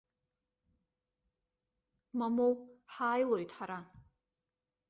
Мамоу, ҳааилоит ҳара.